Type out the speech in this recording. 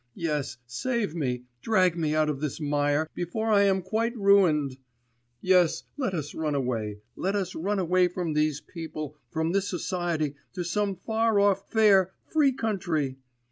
Yes, save me, drag me out of this mire, before I am quite ruined! Yes, let us run away, let us run away from these people, from this society to some far off, fair, free country!